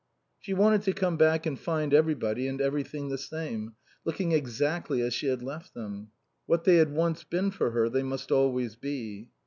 She wanted to come back and find everybody and everything the same, looking exactly as she had left them. What they had once been for her they must always be.